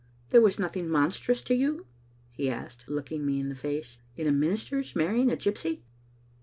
"There was nothing monstrous to you," he asked, looking me in the face, " in a minister's marrying a gypsy?"